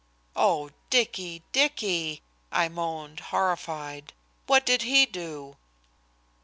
"Oh, Dicky, Dicky," I moaned, horrified, "what did he do?"